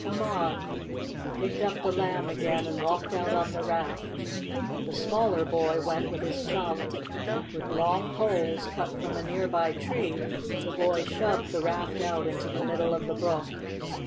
Come on!" He picked up the Lamb again, and walked out on the raft. The smaller boy went with his chum. With long poles, cut from a near by tree, the boys shoved the raft out into the middle of the brook.